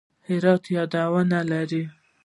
هرات بادونه لري